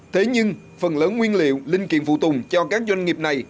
thế nhưng phần lớn nguyên liệu linh kiện phụ tùng cho các doanh nghiệp này